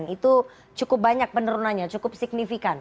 itu cukup banyak penurunannya cukup signifikan